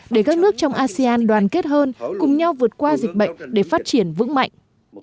để các nước trong asean đoàn kết hơn cùng nhau vượt qua dịch bệnh để phát triển vững mạnh